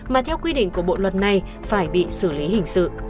mà theo quy định của bộ luật này phải bị xử lý hình sự